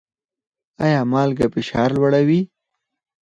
ایا مالګه فشار لوړوي؟